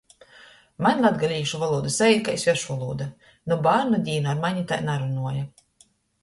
Maņ latgalīšu volūda saīt kai svešvolūda, nu bārnu dīnu ar mani tai narunuoja.